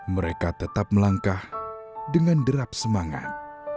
mereka tetap melangkah dengan derap semangat